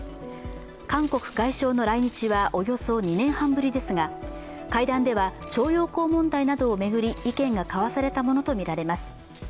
韓国外相の来日はおよそ２年半ぶりですが、会談では徴用工問題などを巡り、意見が交わされたものとみられます。